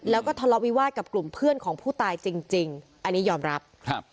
แล้วก็ทะเลาะวิวาสกับกลุ่มเพื่อนของผู้ตายจริงจริงอันนี้ยอมรับครับ